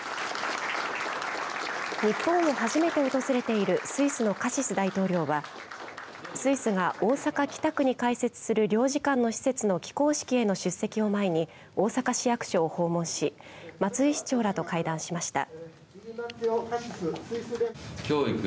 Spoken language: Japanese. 日本に初めて訪れているスイスのカシス大統領はスイスが大阪、北区に開設する領事館の施設の起工式への出席を前に大阪市役所を訪問し松井市長らと会談しました。